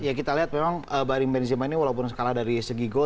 ya kita lihat memang mbak arief benzema ini walaupun kalah dari segi gol